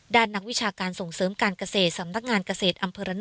ด่านนักวิชาการส่งเสริมการเกษตรสำนักงานเกษตรศัพท์่อก่อน